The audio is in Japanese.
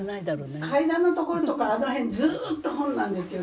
「階段の所とかあの辺ずーっと本なんですよ。